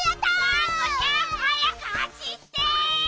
がんこちゃんはやくはしって！